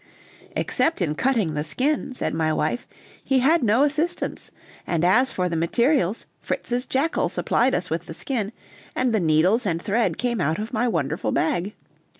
"Except in cutting the skin," said my wife, "he had no assistance, and as for the materials, Fritz's jackal supplied us with the skin, and the needles and thread came out of my wonderful bag.